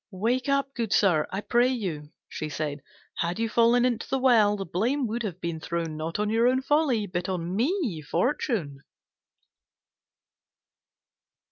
"Wake up, good sir, I pray you," she said; "had you fallen into the well, the blame would have been thrown not on your own folly but on me, Fortune."